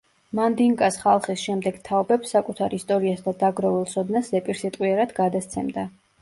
მანდინკას ხალხი შემდეგ თაობებს საკუთარ ისტორიას და დაგროვილ ცოდნას ზეპირსიტყვიერად გადასცემდა.